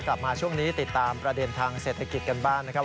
กลับมาช่วงนี้ติดตามประเด็นทางเศรษฐกิจกันบ้างนะครับ